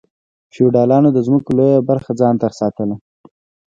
فیوډالانو د ځمکو لویه برخه ځان ته ساتله.